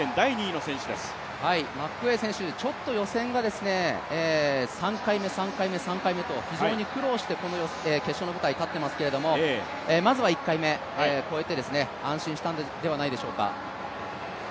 マックエウェン選手、予選は３回目、３回目、３回目と非常に苦労して決勝の舞台に立っていますけれども、まずは１回目、越えて安心したのではないでしょうか。